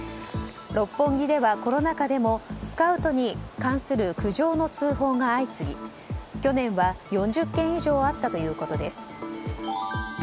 六本木ではコロナ禍でもスカウトに関する苦情の通報が相次ぎ去年は４０件以上あったということです。